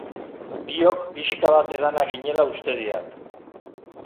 Biok pixka bat edanak ginela uste diat.